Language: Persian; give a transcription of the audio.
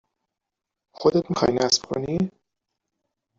خودت می خوای نصب کنی ؟